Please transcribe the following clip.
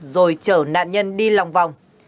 rồi chở nạn nhân đi lòng vòng